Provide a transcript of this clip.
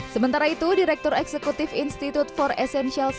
sementara itu direktur eksekutif institute for essentials